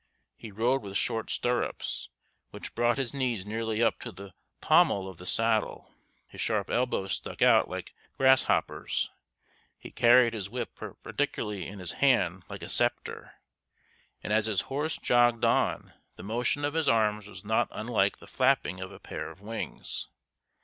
He rode with short stirrups, which brought his knees nearly up to the pommel of the saddle; his sharp elbows stuck out like grasshoppers'; he carried his whip perpendicularly in his hand like a sceptre; and as his horse jogged on the motion of his arms was not unlike the flapping of a pair of wings.